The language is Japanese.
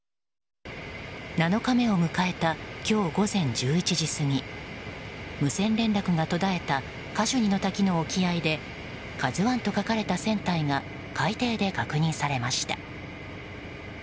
７日目を迎えた今日午前１１時過ぎ無線連絡が途絶えたカシュニの滝の沖合で「ＫＡＺＵ１」と書かれた船体が海底で確認されました。